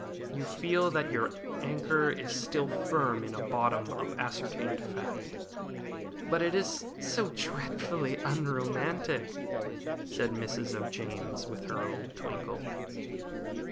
You feel that your anchor is still firm in a bottom of ascertained fact." "But it is so dreadfully unromantic," said Mrs. O'James, with her old twinkle.